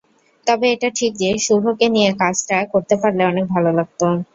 তবে এটা ঠিক যে, শুভকে নিয়ে কাজটা করতে পারলে অনেক ভালো লাগত।